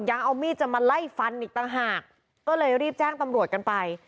ยังเอามีดจะมาไล่ฟันอีกต่างหากก็เลยรีบแจ้งตำรวจกันไป